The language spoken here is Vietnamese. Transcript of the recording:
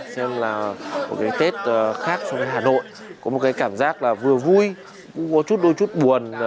xem là một cái tết khác so với hà nội có một cái cảm giác là vừa vui vừa có chút đôi chút buồn